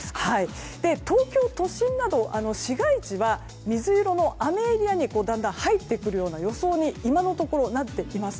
東京都心など市街地は水色の雨エリアにだんだん入ってくるような予想に今のところなっています。